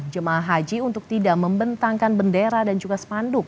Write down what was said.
jemaah haji untuk tidak membentangkan bendera dan juga spanduk